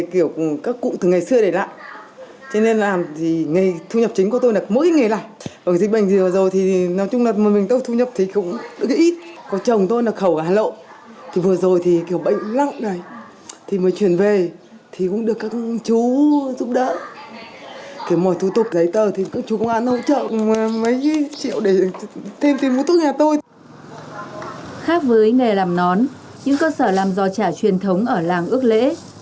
khác với nghề làm nón những cơ sở làm giò trả truyền thống ở làng ước lễ